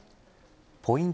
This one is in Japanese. ポイント